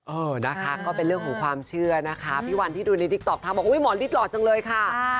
เออนะคะก็เป็นเรื่องของความเชื่อนะคะพี่วันที่ดูในติ๊กต๊อกทำบอกอุ๊ยหมอฤทธหล่อจังเลยค่ะ